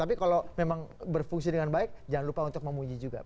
tapi kalau memang berfungsi dengan baik jangan lupa untuk memuji juga